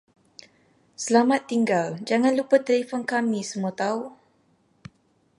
Selamat tinggal jangan lupa telefon kami semua tahu